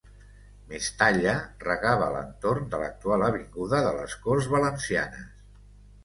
Mestalla regava l'entorn de l'actual avinguda de les Corts Valencianes.